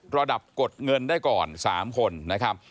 ระดับกดเงินได้ก่อน๓คนนะครับ